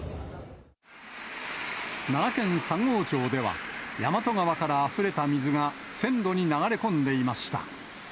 奈良県三郷町ではやまと川からあふれた水が、線路に流れ込んでいました。